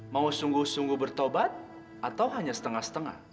mau sungguh sungguh bertobat atau hanya setengah setengah